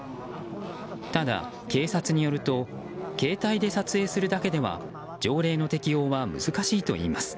ただ、警察によると携帯で撮影するだけでは条例の適用は難しいといいます。